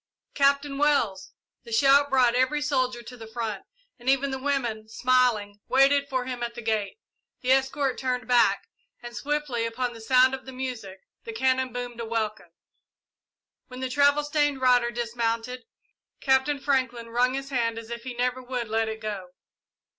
"Captain Wells!" The shout brought every soldier to the front, and even the women, smiling, waited for him at the gate. The escort turned back, and, swiftly upon the sound of the music, the cannon boomed a welcome. When the travel stained rider dismounted, Captain Franklin wrung his hand as if he never would let it go.